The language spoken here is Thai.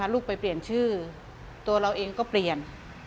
ลูกไปเปลี่ยนชื่อตัวเราเองก็เปลี่ยน